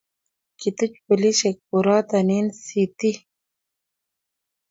kituch polis boroto eng sitii